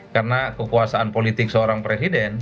karena kekuasaan politik seorang presiden